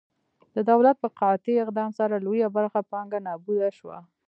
د دولت په قاطع اقدام سره لویه برخه پانګه نابوده شوه.